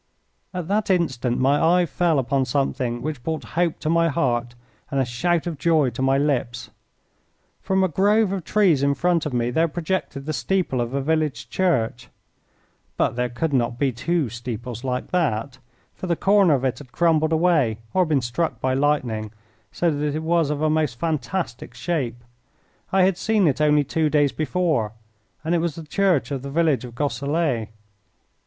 At that instant my eye fell upon something which brought hope to my heart and a shout of joy to my lips. From a grove of trees in front of me there projected the steeple of a village church. But there could not be two steeples like that, for the corner of it had crumbled away or been struck by lightning, so that it was of a most fantastic shape. I had seen it only two days before, and it was the church of the village of Gosselies.